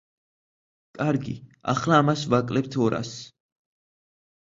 კარგი, ახლა ამას ვაკლებთ ორასს.